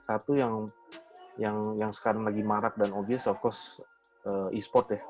satu yang sekarang lagi marak dan obes of course e sport ya